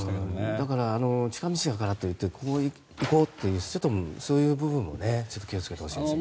だから近道だからといって行こうという人もそういう部分も気をつけてほしいですね。